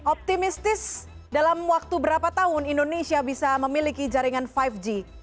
optimistis dalam waktu berapa tahun indonesia bisa memiliki jaringan lima g